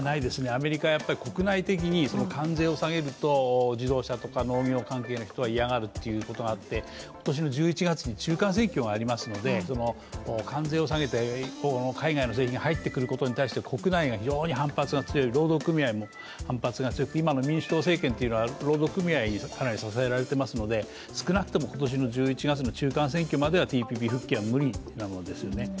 アメリカは国内的に関税を下げると自動車とか農業関係の人が嫌がるということがあって今年の１１月に中間選挙がありますので関税を下げて海外の製品が入ってくることに対して国内が非常に反発が強い、労働組合も反発が強くて、今の民主党政権は労働組合にかなり支えられていますので少なくとも今年の１１月の中間選挙まではＴＰＰ復帰は無理なんですよね。